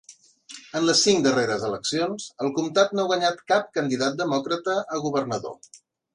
En les cinc darreres eleccions, al comtat no ha guanyat cap candidat demòcrata a governador.